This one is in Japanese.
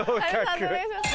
判定お願いします。